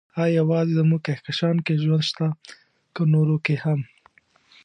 ايا يوازې زموږ کهکشان کې ژوند شته، که نورو کې هم؟